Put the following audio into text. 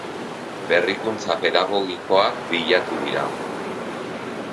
Berrikuntza Pedagogikoak bilatu dira.